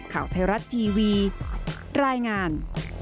ข่าวไทยรัฐทีวีรายงาน